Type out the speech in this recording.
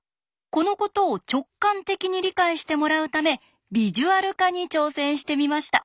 このことを直感的に理解してもらうためビジュアル化に挑戦してみました。